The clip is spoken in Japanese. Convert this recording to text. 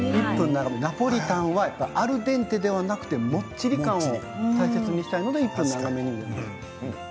ナポリタンはアルデンテではなくてもっちり感を大切にしたいので１分長めにゆでます。